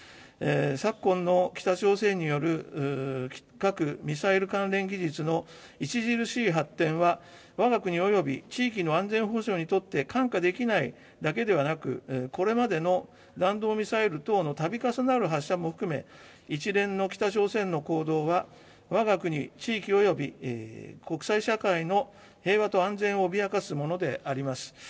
昨今の北朝鮮による核・ミサイル関連技術の著しい発展は、わが国および地域の安全保障にとって看過できないだけではなく、これまでの弾道ミサイル等のたび重なる発射も含め、一連の北朝鮮の行動は、わが国地域および国際社会の平和と安全を脅かすものであります。